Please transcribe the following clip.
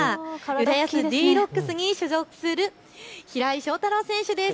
浦安Ｄ−Ｒｏｃｋｓに所属する平井将太郎選手です。